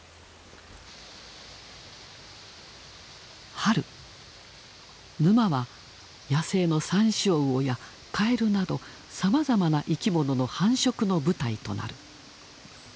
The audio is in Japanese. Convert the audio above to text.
春沼は野生のサンショウウオやカエルなどさまざまな生き物の繁殖の舞台となる。